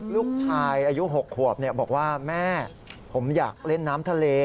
ลูกชายอายุ๖ขวบบอกว่าแม่ผมอยากเล่นน้ำทะเล